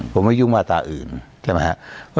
ผมไม่ยุ่งมาตราอื่นใช่ไหมครับ